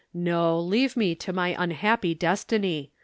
No, leave me to my unhappy destiny.